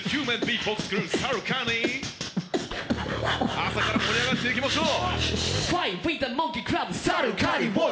朝から盛り上がっていきましょう。